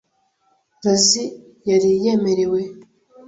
Rosie yari yemerewe